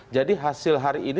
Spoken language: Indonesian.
jadi hasil hari ini